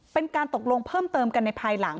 เป็นการตกลงเพิ่มเติมกันในภายหลัง